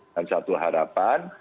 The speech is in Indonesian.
dan satu harapan